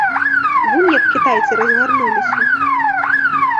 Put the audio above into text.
Вунь як кітайцы разгарнуліся!